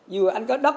dù anh có đất